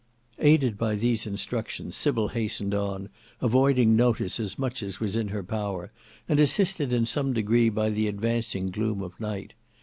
Aided by these instructions, Sybil hastened on, avoiding notice as much as was in her power, and assisted in some degree by the advancing gloom of night.